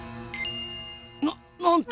ななんと！